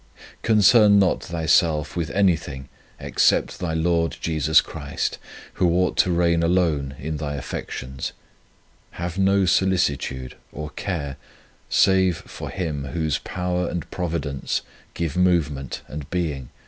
Concern not thyself with any thing except thy Lord Jesus Christ, Who ought to reign alone in thy affections. Have no solicitude or care save for Him Whose power and Providence give movement and being to all things.